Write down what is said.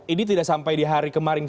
ini tidak sampai di hari kemarin